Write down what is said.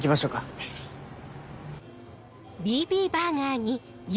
お願いします。